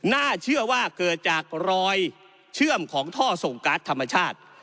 น่าเชื่อว่าเกิดจากรอยเชื่อมของท่อส่งการ์ดธรรมชาติ